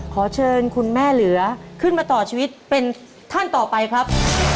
ขอเชิญคุณแม่เหลือขึ้นมาต่อชีวิตเป็นท่านต่อไปครับ